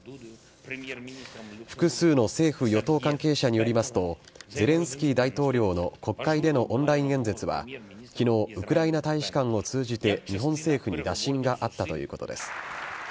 複数の政府・与党関係者によりますと、ゼレンスキー大統領の国会でのオンライン演説は、きのう、ウクライナ大使館を通じて、日本政府に打診があったということです。